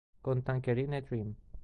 Con Tangerine Dream